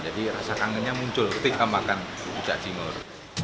jadi rasa kangennya muncul ketika makan rujak cingur